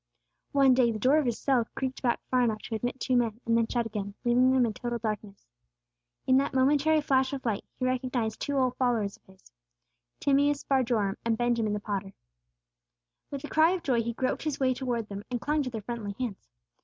One day the door of his cell creaked back far enough to admit two men, and then shut again, leaving them in total darkness. In that momentary flash of light, he recognized two old followers of his, Timeus bar Joram and Benjamin the potter. With a cry of joy he groped his way toward them, and clung to their friendly hands.